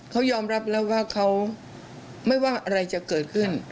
เขายอมรับแล้วว่าเขาไม่ว่าอะไรจะเกิดขึ้น